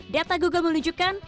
data google menunjukkan